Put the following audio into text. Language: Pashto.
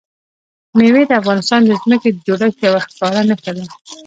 مېوې د افغانستان د ځمکې د جوړښت یوه ښکاره نښه ده.